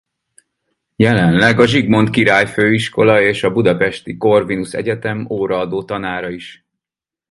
Jelenleg a Zsigmond Király Főiskola és a Budapesti Corvinus Egyetem óraadó tanára is.